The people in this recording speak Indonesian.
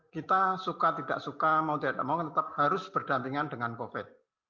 kita suka tidak suka mau tidak mau tetap harus berdampingan dengan covid